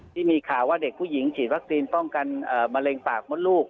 ที่มีข่าวว่าเด็กผู้หญิงฉีดวัคซีนป้องกันมะเร็งปากมดลูก